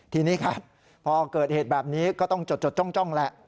ทีนี้ครับพอเกิดเหตุแบบนี้ก็ต้องจดจ้องแหละ